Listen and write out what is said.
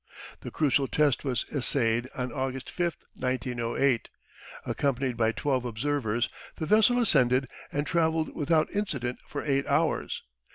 The crucial test was essayed on August 5th, 1908. Accompanied by twelve observers the vessel ascended and travelled without incident for eight hours.